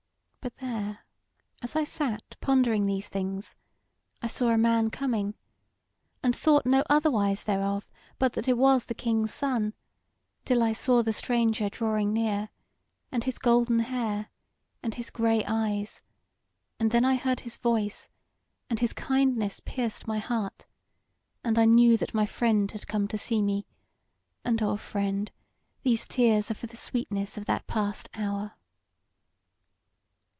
"But there as I sat pondering these things, I saw a man coming, and thought no otherwise thereof but that it was the King's Son, till I saw the stranger drawing near, and his golden hair, and his grey eyes; and then I heard his voice, and his kindness pierced my heart, and I knew that my friend had come to see me; and O, friend, these tears are for the sweetness of that past hour!"